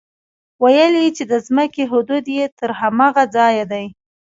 ويل يې چې د ځمکې حدود يې تر هماغه ځايه دي.